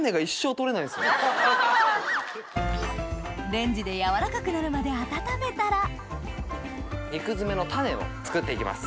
レンジで軟らかくなるまで温めたら肉詰めのタネを作っていきます。